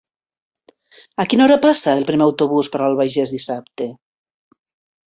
A quina hora passa el primer autobús per l'Albagés dissabte?